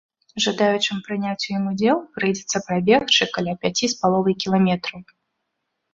Жадаючым прыняць у ім удзел прыйдзецца прабегчы каля пяці з паловай кіламетраў.